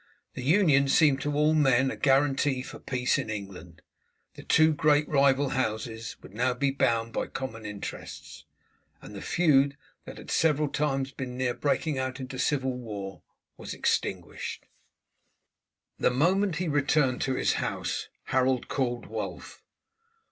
The union seemed to all men a guarantee for peace in England. The two great rival houses would now be bound by common interests, and the feud that had several times been near breaking out into civil war was extinguished. The moment he returned to his house Harold called Wulf.